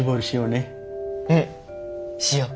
うんしよう。